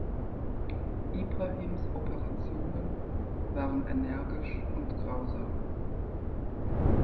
Ibrahims Operationen waren energisch und grausam.